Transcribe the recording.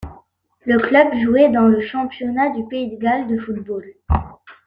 Le club jouait dans le Championnat du pays de Galles de football.